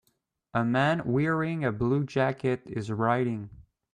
A man wearing a blue jacket is writing.